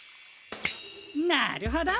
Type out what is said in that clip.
なるほど！